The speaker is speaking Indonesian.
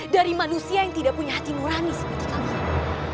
dari manusia yang tidak punya hati nurani seperti kalian